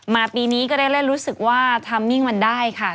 ปีนี้ก็ได้เล่นรู้สึกว่าทำมิ่งมันได้ค่ะ